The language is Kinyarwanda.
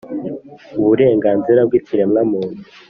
'uburenganzira bw'ikiremwamuntu.